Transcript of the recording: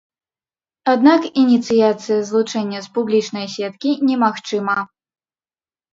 Аднак ініцыяцыя злучэння з публічнай сеткі немагчыма.